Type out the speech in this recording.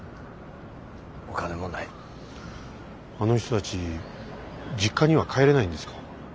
あの人たち実家には帰れないんですか？